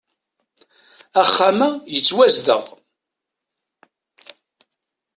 Axxam-a yettwazdeɣ.